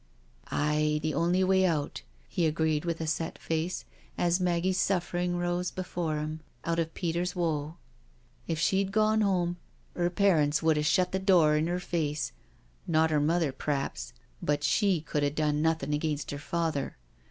" Aye, the only way out," he agreed with a set face, as Maggie's suffering rose before him out of Peter's woe. " If she'd gone home, 'er parents would'a shut the door in 'er face — ^not 'er mother, p'raps, but she could a' done nothing against her father.